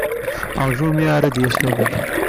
Ṛju mi ara d-yas baba-k.